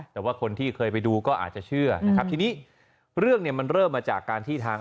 แต่ว่าคนที่เคยไปดูก็อาจจะเชื่อนะครับทีนี้เรื่องเนี่ยมันเริ่มมาจากการที่ทาง